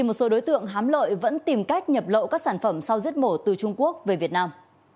một số đối tượng hám lợi vẫn tìm cách nhập lậu các sản phẩm sau giết mổ từ trung quốc về việt nam